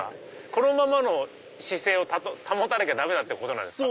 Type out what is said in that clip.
このままの姿勢を保たなきゃダメだってことなんですか？